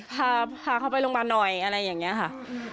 พาเขาไปโรงพยาบาลหน่อยอะไรอย่างนี้ค่ะ